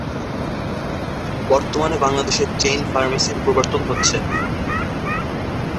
বর্তমানে বাংলাদেশে "চেইন ফার্মেসি"-র প্রবর্তন হচ্ছে।